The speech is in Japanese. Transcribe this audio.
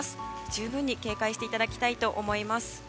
十分に警戒していただきたいと思います。